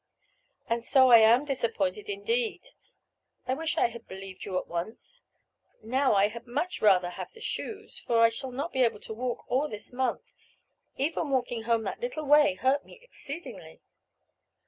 "And so I am disappointed, indeed. I wish I had believed you at once. Now I had much rather have the shoes, for I shall not be able to walk all this month; even walking home that little way hurt me exceedingly.